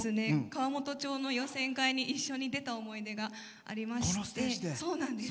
川本町の予選会に一緒に出た思い出がありまして。